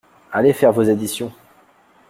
Allez faire vos additions !